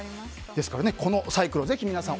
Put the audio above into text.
ですから、このサイクルを皆さん